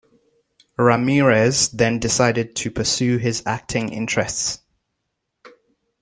Ramirez then decided to pursue his acting interests.